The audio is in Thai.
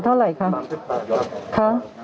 สวัสดีครับ